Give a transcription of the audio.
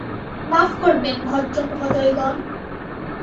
মাফ করবেন, ভদ্রমহোদয়গণ।